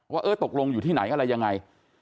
ว่าเออตกลงอยู่ที่ไหนอะไรยังไง